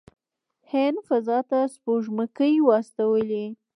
هند فضا ته سپوږمکۍ واستولې.